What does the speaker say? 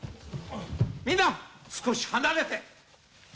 みんな少し離れて。